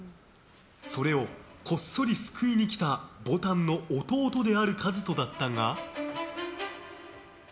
それを、こっそり救いに来たぼたんの弟である和人だったが。